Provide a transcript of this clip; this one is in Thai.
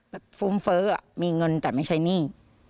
แบบฟุ้มเฟ้ออ่ะมีเงินแต่ไม่ใช้หนี้